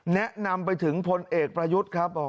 แนะนำไปถึงพลเอกประยุทธ์ครับ